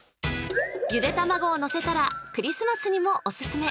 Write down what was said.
ゆで卵をのせたらクリスマスにもおすすめ